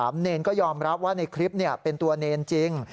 เนรก็ยอมรับว่าในคลิปเป็นตัวเนรจริง